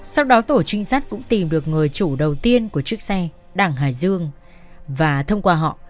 sau đó tổ trinh sát cũng tìm được người chủ đầu tiên của chiếc xe đảng hải dương và thông qua họ